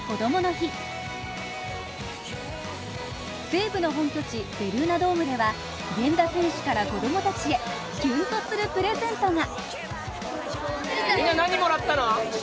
西武の本拠地ベルーナドームでは源田選手から子供たちへ、キュンとするプレゼントが。